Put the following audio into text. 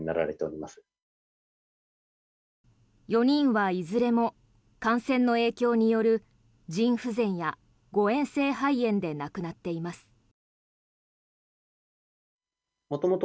４人はいずれも感染の影響による腎不全や誤嚥性肺炎で亡くなっています。